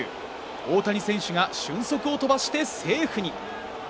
大谷選手が俊足を飛ばしてセーフに。